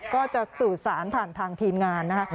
ก็จะสื่อสารผ่านทางทีมงานนะคะ